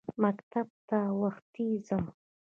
مکتب ته وختي ځم.